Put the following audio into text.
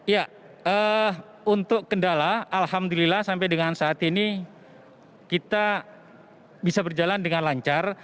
ya untuk kendala alhamdulillah sampai dengan saat ini kita bisa berjalan dengan lancar